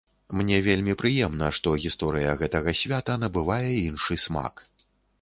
Мне вельмі прыемна, што гісторыя гэтага свята набывае іншы смак.